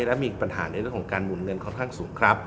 และมีปัญหาในเรื่องของการหมุนเงินค่อนข้างสูงครับ